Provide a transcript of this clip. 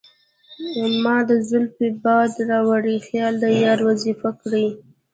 مــــــا د زلفو باد راوړی خیــــــال د یار وظیفه کـــــړی